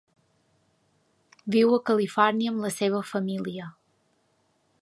Viu a Califòrnia amb la seva família.